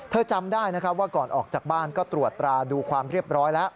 จำได้นะครับว่าก่อนออกจากบ้านก็ตรวจตราดูความเรียบร้อยแล้ว